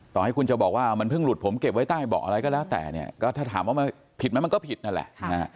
ต่อให้คุณจะบอกว่ามันเพิ่งหลุดผมเก็บไว้ใต้เบาะอะไรก็แล้วแต่เนี่ยก็ถ้าถามว่ามันผิดไหมมันก็ผิดนั่นแหละ